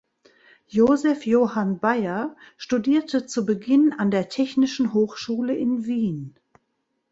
Josef Johann Beyer studierte zu Beginn an der Technischen Hochschule in Wien.